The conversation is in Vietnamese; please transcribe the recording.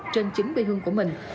trên chính bi hương của mình